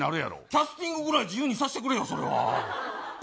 キャスティングくらい自由にさせてくれよ。